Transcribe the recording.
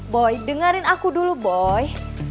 boy dengarin aku dulu boy